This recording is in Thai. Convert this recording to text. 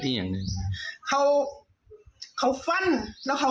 ขณะเดียวกันคุณอ้อยคนที่เป็นเมียฝรั่งคนนั้นแหละ